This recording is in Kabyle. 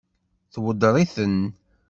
Tweddeṛ-iten?